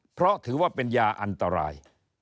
เพราะถือว่าเป็นยาอันตราย